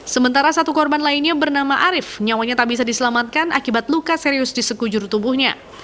sementara satu korban lainnya bernama arief nyawanya tak bisa diselamatkan akibat luka serius di sekujur tubuhnya